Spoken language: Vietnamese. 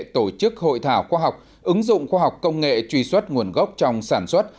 tổ chức hội thảo khoa học ứng dụng khoa học công nghệ truy xuất nguồn gốc trong sản xuất